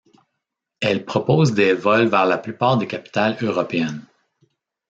Elle propose des vols vers la plupart des capitales européennes.